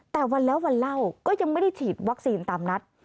แต่วันแล้ววันเล่าก็ยังไม่ได้ฉีดวัคซีนตามนัด